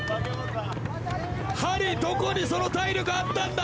ハリーどこにその体力あったんだ。